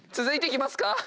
続いていきますか。